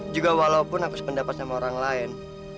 juga walaupun aku sependapat sama orang lain